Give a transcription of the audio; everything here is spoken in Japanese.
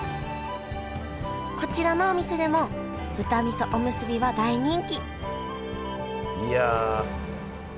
こちらのお店でも豚味噌おむすびは大人気いや。